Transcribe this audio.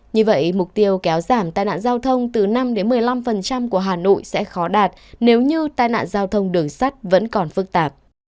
như vậy mục tiêu kéo giảm tai nạn giao thông từ năm một mươi năm của hà nội sẽ khó đạt nếu như tai nạn giao thông đường sắt vẫn còn phức tạp